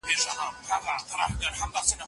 دغه پېښه په کوم ځای کي وسوه؟